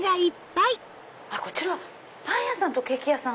こちらパン屋さんとケーキ屋さん。